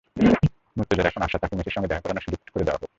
মুর্তজার এখন আশা, তাঁকে মেসির সঙ্গে দেখা করানোর সুযোগ করে দেওয়া হোক।